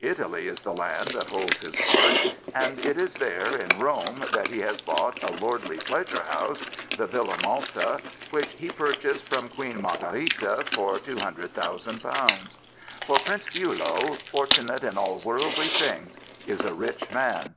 Italy is the land that holds his heart, and it is there, in Rome, that he has bought a lordly pleasure house, the ViUa Malta, which he purchased from Queen Margherita for £ 200 , 000 , For Prince Billow, fortun ate in all worldly things, is a rich man.